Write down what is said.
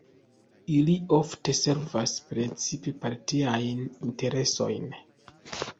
Ili ofte servas precipe partiajn interesojn.